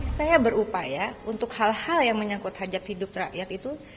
saya berupaya untuk hal hal yang menyangkut hajat hidup rakyat itu